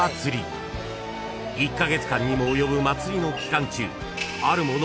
［１カ月間にも及ぶ祭りの期間中］